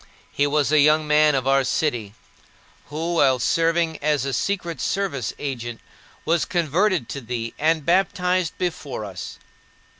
He was a young man of our city, who, while serving as a secret service agent, was converted to thee and baptized before us.